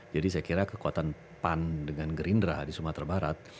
jadi saya kira kekuatan pan dengan gerindra di sumatera barat